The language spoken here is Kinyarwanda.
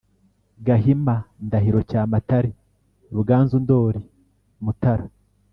gahima, ndahiro cyamatare, ruganzu ndori, mutara